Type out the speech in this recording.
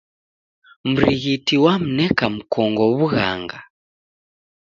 Mrighiti wamneka mkongo w'ughanga.